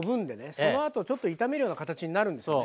そのあとちょっと炒めるような形になるんですよね。